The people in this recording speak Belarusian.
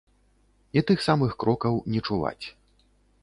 І тых самых крокаў не чуваць.